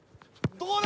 どうだ？